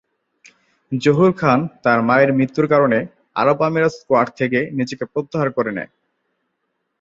জহুর খান তার মায়ের মৃত্যুর কারণে আরব আমিরাত স্কোয়াড থেকে নিজেকে প্রত্যাহার করে নেয়।